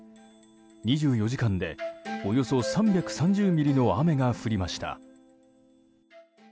２４時間でおよそ３３０ミリの雨が降りました。